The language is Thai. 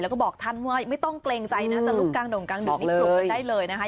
แล้วก็บอกท่านว่าไม่ต้องเกรงใจนะลุกกางโดงกางดูดนิดผลไหลได้เลย